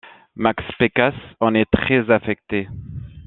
Max Pécas en est très affecté.